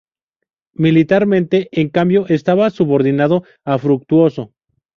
Militarmente, en cambio, estaba subordinado a Fructuoso.